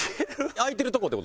開いてるとこって事？